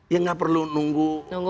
ya tidak perlu menunggu